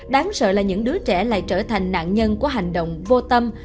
đáng sợ là những đứa trẻ lại trở thành nạn nhân của hành động vô tâm